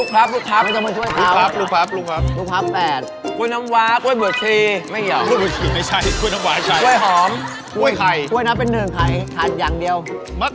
พริกพริก